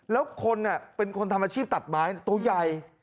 แล้วคนเนี่ยเป็นคนทำอาชีพตัดหมายตัวใหญ่